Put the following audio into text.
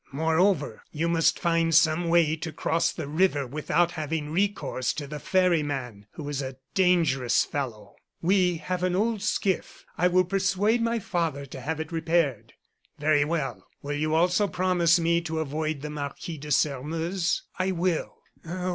"Moreover, you must find some way to cross the river without having recourse to the ferryman, who is a dangerous fellow." "We have an old skiff. I will persuade my father to have it repaired." "Very well. Will you also promise me to avoid the Marquis de Sairmeuse?" "I will."